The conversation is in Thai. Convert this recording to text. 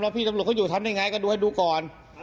แล้วพี่จำลุกก็อยู่ทั้งไหนไงก็ดูให้ดูก่อน